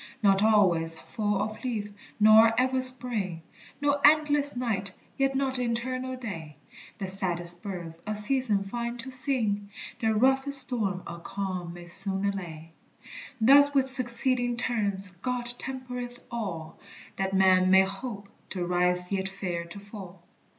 Not always fall of leaf nor ever spring, No endless night yet not eternal day; The saddest birds a season find to sing, The roughest storm a calm may soon allay; Thus with succeeding turns God tempereth all, That man may hope to rise yet fear to fall.